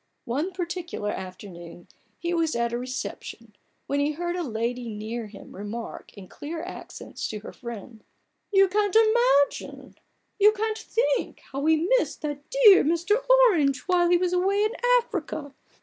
One particular afternoon he was at a reception, when he heard a lady near him remark in clear accents to her friend :" You can't think how we missed that dear Mr. Orange while he was away in Africa